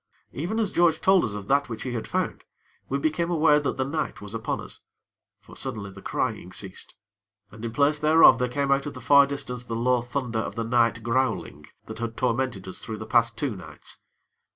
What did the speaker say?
Even as George told us of that which he had found we became aware that the night was upon us; for suddenly the crying ceased, and in place thereof there came out of the far distance the low thunder of the night growling, that had tormented us through the past two nights.